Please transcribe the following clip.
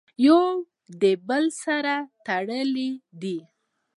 يو د بل سره تړلي دي!!.